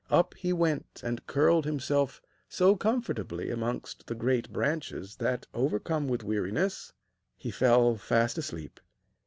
Up he went and curled himself so comfortably amongst the great branches that, overcome with weariness, he fell fast asleep.